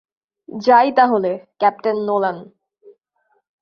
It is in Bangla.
যাই তাহলে, ক্যাপ্টেন নোলান।